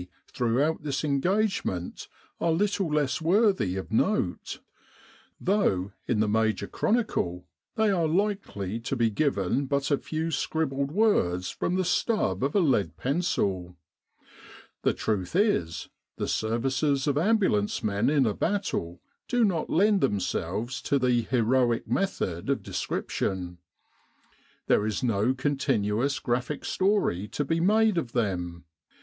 throughout this engagement are little less worthy of note; though, in the major chronicle, they are likely to be given but a few scribbled words from the stub of a lead pencil. The truth is, the services of ambulance men in a battle do not lend themselves to the heroic method of description. There is no con tinuous graphic story to be made of them.